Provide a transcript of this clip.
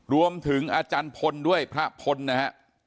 รวมถึงอาจารย์พลด้วยพระพลนะฮะ